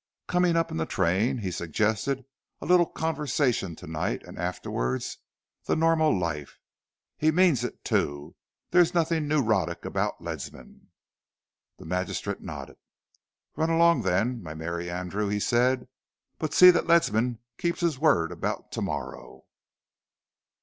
Coming up in the train, he suggested a little conversation to night and afterwards the normal life. He means it, too. There's nothing neurotic about Ledsam." The magistrate nodded. "Run along, then, my merry Andrew," he said, "but see that Ledsam keeps his word about to morrow."